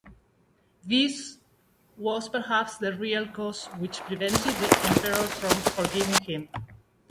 This was perhaps the real cause which prevented the emperor from forgiving him.